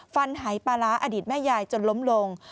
ฟันหายปลาร้าอดีตแม่ยายจนล้มลง